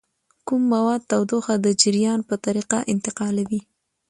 کوم مواد تودوخه د جریان په طریقه انتقالوي؟